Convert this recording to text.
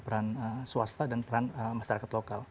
peran swasta dan peran masyarakat lokal